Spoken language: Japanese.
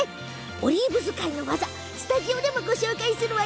オリーブ使いの技スタジオでもご紹介します。